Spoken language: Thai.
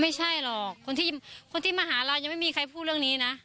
ไม่ใช่หรอกคนที่มาหาเรายังไม่มีใครพูดเรื่องนี้นะ